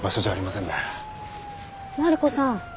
マリコさん